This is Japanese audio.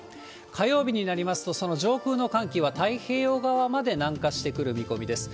火曜日になりますと、その上空の寒気は太平洋側まで南下してくる見込みです。